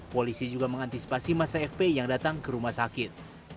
polisi juga mengantisipasi masa fpi yang datang ke rumah sakit